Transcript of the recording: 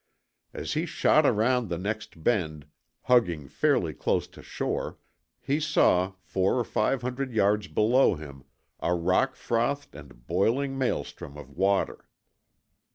As he shot around the next bend, hugging fairly close to shore, he saw, four or five hundred yards below him, a rock frothed and boiling maelstrom of water.